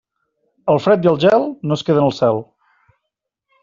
El fred i el gel, no es queden al cel.